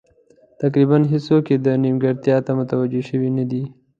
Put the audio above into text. تقریبا هېڅوک یې دې نیمګړتیا ته متوجه شوي نه دي.